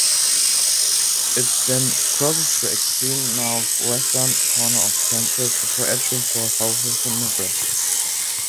It then crosses the extreme northwestern corner of Kansas before entering far southwestern Nebraska.